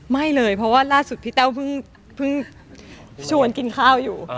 ไม่เลยเพราะว่าล่าสุดพี่แต้วเพิ่งชวนกินข้าวอยู่